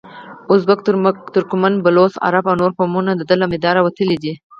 ازبک، ترکمن، بلوڅ، عرب او نور قومونه دده له مداره وتلي دي.